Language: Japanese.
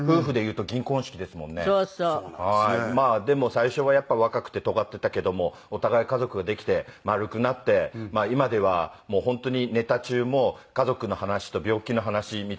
まあでも最初はやっぱり若くてとがっていたけどもお互い家族ができて丸くなって今ではもう本当にネタ中も家族の話と病気の話みたいな感じで。